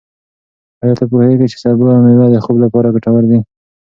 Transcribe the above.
ایا ته پوهېږې چې سبو او مېوې د خوب لپاره ګټور دي؟